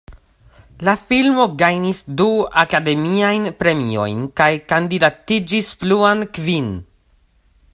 La filmo gajnis du Akademiajn Premiojn kaj kandidatiĝis pluan kvin.